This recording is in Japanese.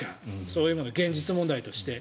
そういうのは現実問題として。